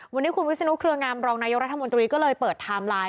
วันนี้คุณวิศนุเครืองามรองนายกรัฐมนตรีก็เลยเปิดไทม์ไลน์